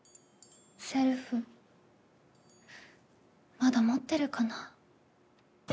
まだ持ってるかな。